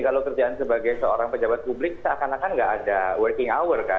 kalau kerjaan sebagai seorang pejabat publik seakan akan nggak ada working hour kan